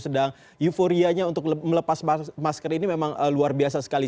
sedang euforianya untuk melepas masker ini memang luar biasa sekali